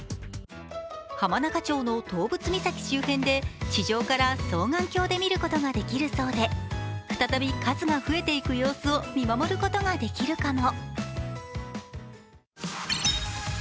浜中町の湯沸岬周辺で地上から双眼鏡で見ることができるそうで、再び数が増えていく様子を見守ることができるかも。